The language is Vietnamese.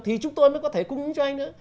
thì chúng tôi mới có thể cung ứng cho anh nữa